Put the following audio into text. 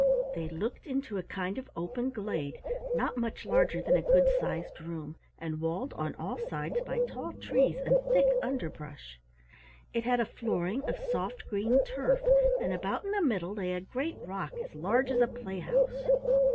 They looked into a kind of open glade not much larger than a good sized room and walled on all sides by tall trees and thick underbrush. It had a flooring of soft green turf, and about in the middle lay a great rock as large as a playhouse.